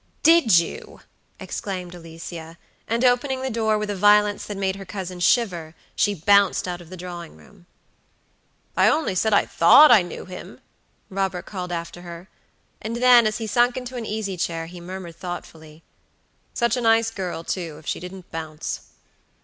"Did you?" exclaimed Alicia; and opening the door with a violence that made her cousin shiver, she bounced out of the drawing room. "I only said I thought I knew him," Robert called after her; and, then, as he sunk into an easy chair, he murmured thoughtfully: "Such a nice girl, too, if she didn't bounce."